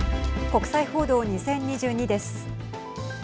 国際報道２０２２です。